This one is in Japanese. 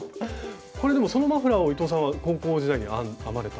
これでもそのマフラーを伊藤さんは高校時代に編まれた。